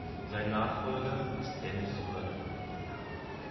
Sein Nachfolger ist Dennis Rödder.